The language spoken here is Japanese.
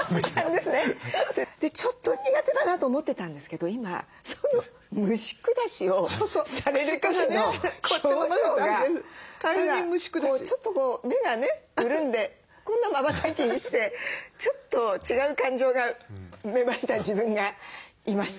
ちょっと苦手だなと思ってたんですけど今虫下しをされる時の表情がちょっとこう目がね潤んでこんなまばたきしてちょっと違う感情が芽生えた自分がいました。